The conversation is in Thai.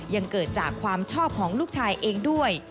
ยังเกิดจากความชอบของลูกชายเองด้วย